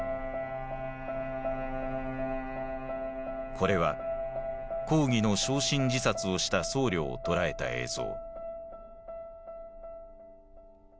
これは抗議の焼身自殺をした僧侶を捉えた映像。